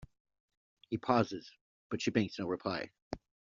He pauses, but she makes no reply.